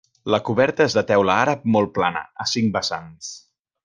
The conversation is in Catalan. La coberta és de teula àrab molt plana, a cinc vessants.